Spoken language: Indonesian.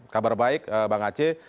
kabar baik bang aceh